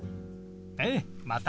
ええまた。